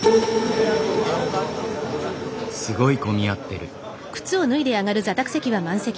すごい混み合ってる。